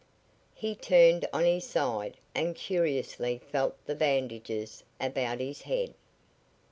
He turned on his side and curiously felt the bandages about his head.